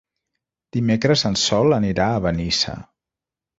Dimecres en Sol anirà a Benissa.